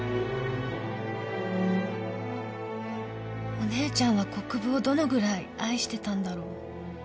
お姉ちゃんは国府をどのぐらい愛してたんだろう。